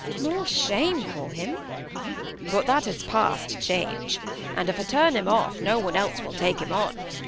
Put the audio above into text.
"More shame for him!" "But that is past change. And if I turn him off; no one else will take him on.